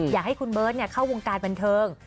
อยากให้คุณเบิร์ตเข้าวงการบันเทิง